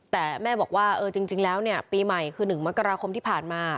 แต่แม่บอกว่าจริงแล้วเนี่ยปีใหม่คือ๑มกราคมที่ผ่านมา